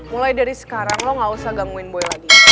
mulai dari sekarang lo gak usah gangguin boy lagi